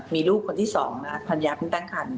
มีลูกคนที่สองมาพันยาเป็นตั้งครรภ์